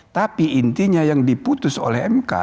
tapi intinya yang diputus oleh mk